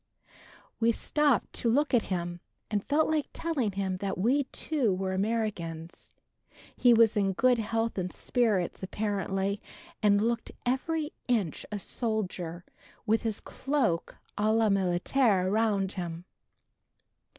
We stopped to look at him and felt like telling him that we too were Americans. He was in good health and spirits, apparently, and looked every inch a soldier with his cloak a la militaire around him.